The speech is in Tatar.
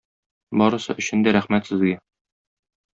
Барысы өчен дә рәхмәт сезгә!